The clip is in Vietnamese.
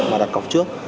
mà đặt cọc trước